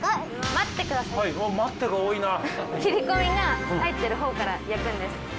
切り込みが入ってる方から焼くんです。